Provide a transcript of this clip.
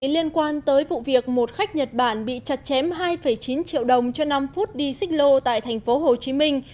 liên quan tới vụ việc một khách nhật bản bị chặt chém hai chín triệu đồng cho năm phút đi xích lô tại thành phố hồ chí minh